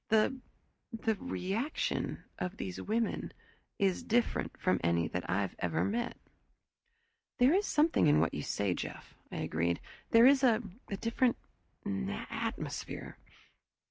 The the reaction of these women is different from any that I've ever met." "There is something in what you say, Jeff," I agreed. "There is a different atmosphere."